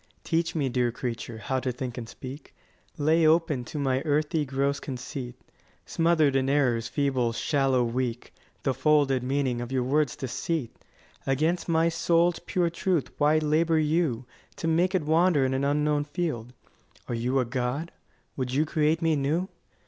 Teach me, dear creature, how to think and speak; Lay open to my earthy gross conceit, Smother'd in errors, feeble, shallow, weak, 35 The folded meaning of your words' deceit. Against my soul's pure truth why labour you To make it wander in an unknown field? Are you a god? would you create me new?